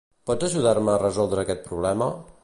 Pots ajudar-me a resoldre aquest problema?